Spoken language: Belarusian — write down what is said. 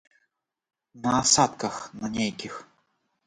На асадках на нейкіх.